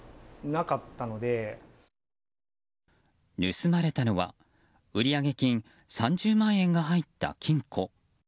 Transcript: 盗まれたのは売上金３０万円が入った金庫。